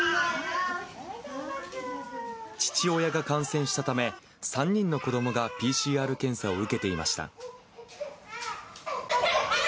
父親が感染したため、３人の子どもがＰＣＲ検査を受けていました。